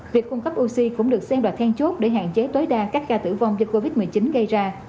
việc cung cấp oxy cũng được xem là then chốt để hạn chế tối đa các ca tử vong do covid một mươi chín gây ra